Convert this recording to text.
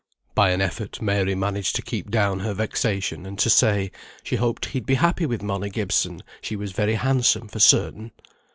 By an effort Mary managed to keep down her vexation, and to say, "She hoped he'd be happy with Molly Gibson. She was very handsome, for certain."